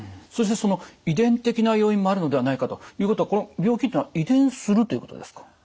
そしてその遺伝的な要因もあるのではないかということはこの病気というのは遺伝するということですか？